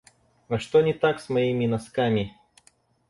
А что не так с моими носками?